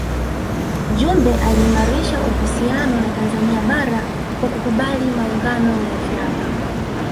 Jumbe aliimarisha uhusiano na Tanzania bara kwa kukubali maungano ya vyama